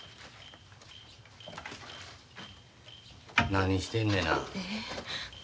何してんねな。